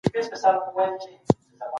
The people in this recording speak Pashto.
دا اوولس عدد دئ.